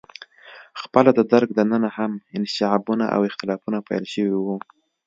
خپله د درګ دننه هم انشعابونه او اختلافونه پیل شوي وو.